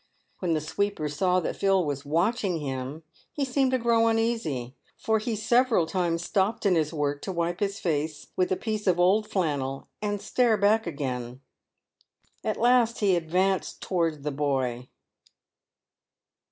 When the sweeper saw that Phil was watching him he seemed to grow uneasy, for he several times stopped in his work to wipe his face with a piece of 'old flannel and stare back again. At last he ad vanced towards the boy.